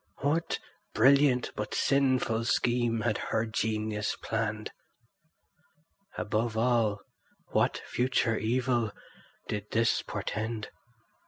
What brilliant but sinful scheme had her genius planned? Above all, what future evil did this portend?